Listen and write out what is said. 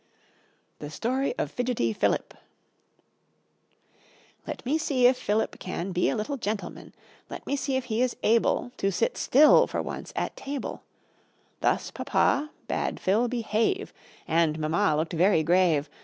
The Story of Fidgety Philip "Let me see if Philip can Be a little gentleman; Let me see if he is able To sit still for once at table": Thus Papa bade Phil behave; And Mamma looked very grave.